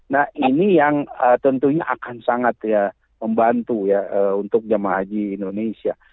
nah ini yang tentunya akan sangat ya membantu ya untuk jemaah haji indonesia